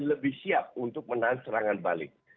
lebih siap untuk menahan serangan balik